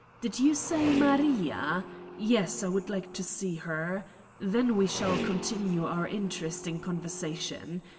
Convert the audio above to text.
Did yon say: Maria? Yes, I would like to see her. Then we shall continue our interesting conversation.